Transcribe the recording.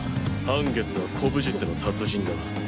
半月は古武術の達人だ。